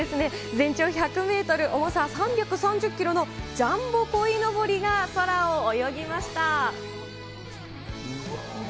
全長１００メートル、重さ３３０キロのジャンボこいのぼりが空を泳ぎました。